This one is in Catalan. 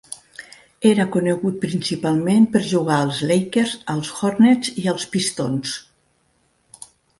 Era conegut principalment per jugar als Lakers, als Hornets i als Pistons.